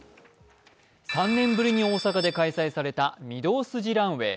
３年ぶりに大阪で開催された御堂筋ランウェイ。